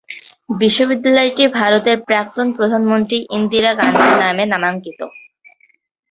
বিশ্ববিদ্যালয়টি ভারতের প্রাক্তন প্রধানমন্ত্রী ইন্দিরা গান্ধীর নামে নামাঙ্কিত।